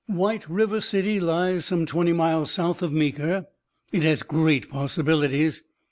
White River City lies some twenty miles south of Meeker. It has great possibilities.